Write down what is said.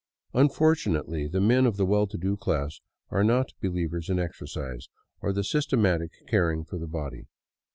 Unfortunately the men of the well to do class are not believers in exercise, or the systematic caring for the body.